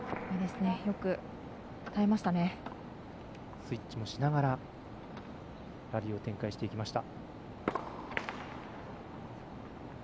スイッチもしながらラリーを展開していきました。